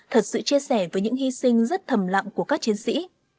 thật sự chia sẻ với những hy sinh rất thầm lặng của các chiến sĩ